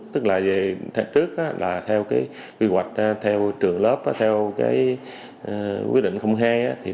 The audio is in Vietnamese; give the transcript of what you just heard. tức là về thời trước là theo quy hoạch theo trường lớp theo quyết định không he